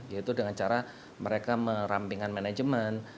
yaitu dengan cara mereka merampingkan manajemen